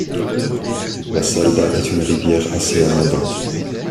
La Salda est une rivière assez abondante.